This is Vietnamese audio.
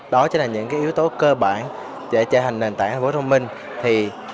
đó chính là những yếu tố cơ bản để trở thành nền tảng thành phố thông minh